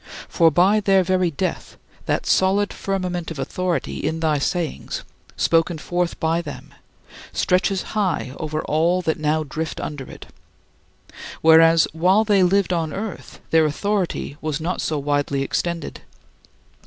For by their very death that solid firmament of authority in thy sayings, spoken forth by them, stretches high over all that now drift under it; whereas while they lived on earth their authority was not so widely extended.